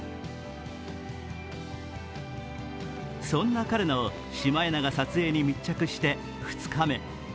そんな彼のシマエナガ撮影に密着して２日目。